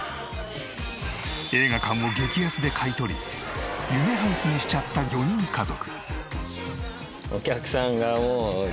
映画館を激安で買い取り夢ハウスにしちゃった４人家族。